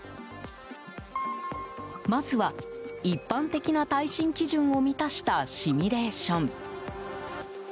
まずは、一般的な耐震基準を満たしたシミュレーション。